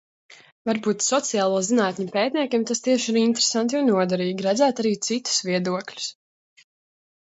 Varbūt sociālo zinātņu pētniekam tas tieši ir interesanti un noderīgi, redzēt arī citus viedokļus...